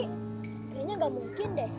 kayaknya gak mungkin deh